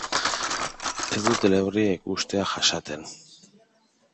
Ez du teleberria ikustea jasaten.